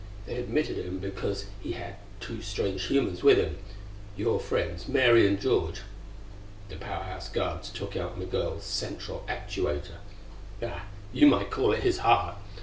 They admitted him because he had two strange humans with him your friends Mary and George. The Power House guards took out Migul's central actuator Hah! you might call it his heart!